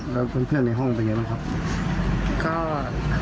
แล้วเพื่อนในห้องเป็นไงบ้างครับ